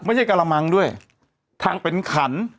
ไม่ใช่กะละมังด้วยเป็นขัน